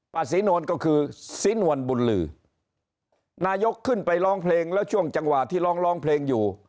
ศรีนวลก็คือสินวลบุญลือนายกขึ้นไปร้องเพลงแล้วช่วงจังหวะที่ร้องร้องเพลงอยู่